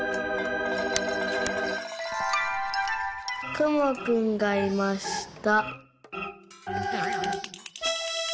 「くもくんがいました」。